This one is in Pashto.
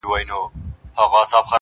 څه ګلاب سوې څه نرګس او څه سنبل سوې,